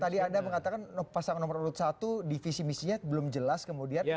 tadi anda mengatakan pasangan nomor urut satu divisi misinya belum jelas kemudian